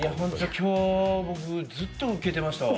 今日、僕、ずっとウケてましたわ。